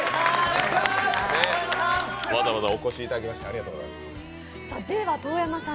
わざわざお越しいただいてありがとうございます。